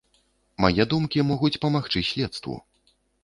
Мае думкі могуць памагчы следству.